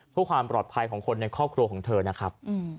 เพื่อความปลอดภัยของคนในครอบครัวของเธอนะครับ